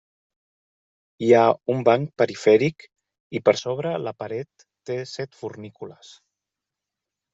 Hi ha un banc perifèric i per sobre la paret té set fornícules.